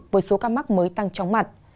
với số ca mắc mới tăng chóng mặt